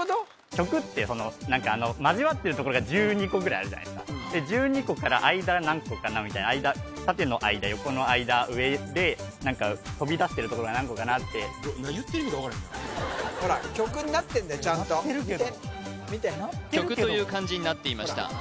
「曲」って何かあの交わってるところが１２個ぐらいあるじゃないですか１２個から間何個かなみたいな縦の間横の間上で何か飛びだしてるとこが何個かなって言ってる意味が分からへんもん「曲」になってんだよちゃんと見て「曲」という漢字になっていました